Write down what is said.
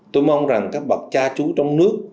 tôi mong rằng các bậc cha chú trong nước